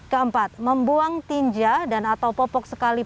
keempat membuang tinja dan atau popok sekali